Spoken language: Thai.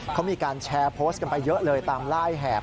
เขามีการแชร์โพสต์กันไปเยอะเลยตามไล่แหบ